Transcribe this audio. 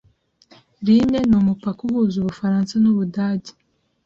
Rhine ni umupaka uhuza Ubufaransa n'Ubudage.